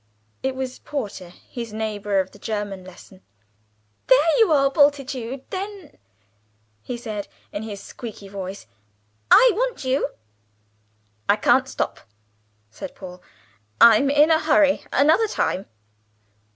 It was Porter, his neighbour of the German lesson. "There you are, Bultitude, then," he said in his squeaky voice: "I want you." "I can't stop," said Paul, "I'm in a hurry another time."